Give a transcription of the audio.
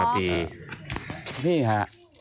นี่ฮะ